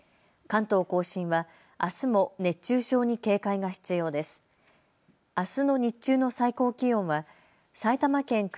関東甲信はあすも熱中症に警戒が必要です。